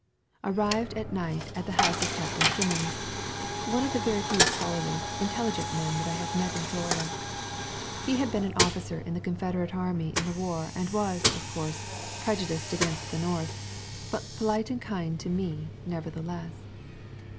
Arrived at night at the house of Captain Simmons, one of the very few scholarly, intel ligent men that I have met in Florida. He had been an officer in the Confederate army in the war and was, of course, prejudiced against the North, but polite and kind to me, nevertheless.